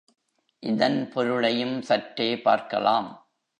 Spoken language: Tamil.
இதன் பொருளையும் சற்றே பார்க்கலாம்.